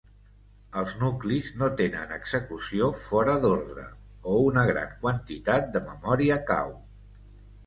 Els nuclis no tenen execució fora d'ordre o una gran quantitat de memòria cau.